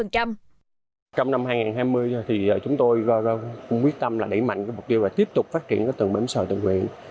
trong năm hai nghìn hai mươi thì chúng tôi cũng quyết tâm là đẩy mạnh mục tiêu là tiếp tục phát triển tường bếm sò tự nguyện